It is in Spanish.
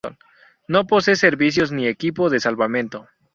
No posee servicios, ni equipo de salvamento.